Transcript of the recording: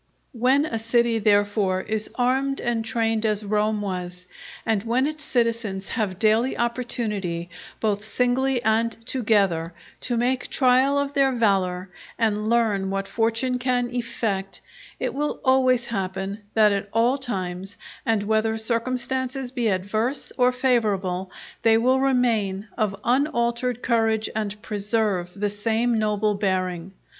When a city therefore is armed and trained as Rome was, and when its citizens have daily opportunity, both singly and together, to make trial of their valour and learn what fortune can effect, it will always happen, that at all times, and whether circumstances be adverse or favourable, they will remain of unaltered courage and preserve the same noble bearing.